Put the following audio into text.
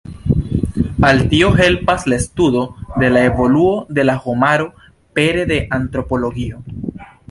Al tio helpas la studo de la evoluo de la homaro pere de antropologio.